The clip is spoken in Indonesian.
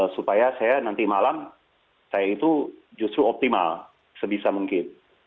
supaya saya nanti malam saya itu justru optimal sebisa mungkin